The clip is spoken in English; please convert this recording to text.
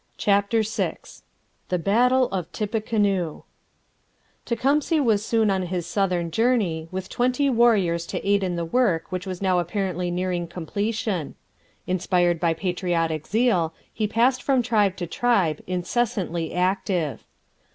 CHAPTER VI THE BATTLE OF TIPPECANOE Tecumseh was soon on his southern journey, with twenty warriors to aid in the work which was now apparently nearing completion. Inspired by patriotic zeal, he passed from tribe to tribe, incessantly active.